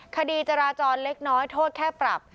คดีจราจรเล็กน้อยโทษแค่ปรับ